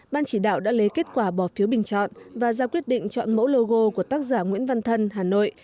ban chỉ đạo đã lấy kết quả bỏ phiếu bình chọn và ra quyết định chọn mẫu logo của tác giả nguyễn văn thân hà nội